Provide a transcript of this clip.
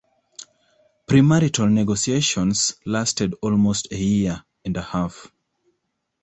Premarital negotiations lasted almost a year and a half.